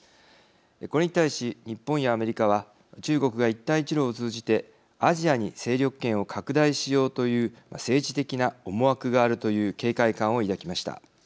これに対し日本やアメリカは中国が一帯一路を通じてアジアに勢力圏を拡大しようという政治的な思惑があるという警戒感を抱きました。